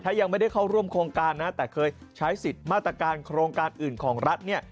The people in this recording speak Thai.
ถ้ายังไม่ได้เข้าร่วมโครงการนะแต่เคยใช้สิทธิ์มาตรการโครงการอื่นของรัฐเนี่ย